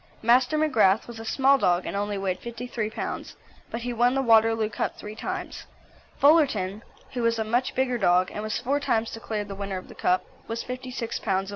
Master McGrath was a small dog, and only weighed 53 lbs., but he won the Waterloo Cup three times. Fullerton, who was a much bigger dog, and was four times declared the winner of the Cup, was 56 lbs.